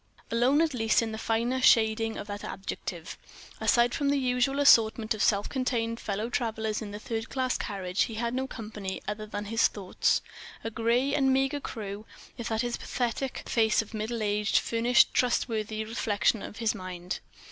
Alone, at least, in the finer shading of that adjective; aside from the usual assortment of self contained fellow travellers in the third class carriage, he had no company other than his thoughts; a gray and meagre crew, if that pathetic face of middle age furnished trustworthy reflection of his mind....